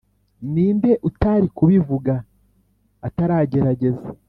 ninde utari kubivuga ataragerageza.